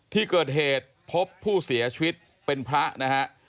ที่เกิดเหตุพบผู้เสียชีวิตเป็นพระนะฮะ